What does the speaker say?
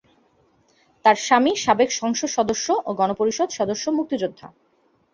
তার স্বামী সাবেক সংসদ সদস্য ও গণপরিষদ সদস্য মুক্তিযোদ্ধা।